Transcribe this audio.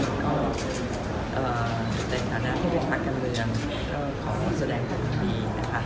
ในฐานะที่เป็นภาคกันเมืองขอแสดงความยุ่นดี